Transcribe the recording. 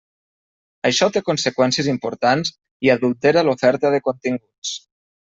Això té conseqüències importants i adultera l'oferta de continguts.